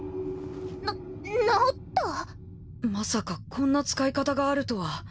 な治った⁉まさかこんな使い方があるとは。